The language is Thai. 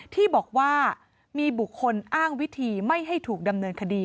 ที่บอกว่ามีบุคคลอ้างวิธีไม่ให้ถูกดำเนินคดี